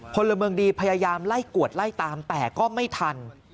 พลเมืองดีพยายามไล่กวดไล่ตามแต่ก็ไม่ทัน